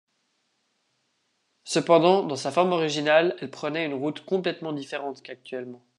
Cependant, dans sa forme originale, elle prenait une route complètement différente qu'actuellement.